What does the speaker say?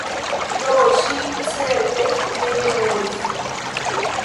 Do ŝi certe ne memoris!